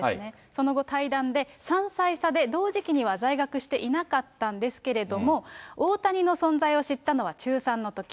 その後、対談で３歳差で同時期には在学していなかったんですけれども、大谷の存在を知ったのは中３のとき。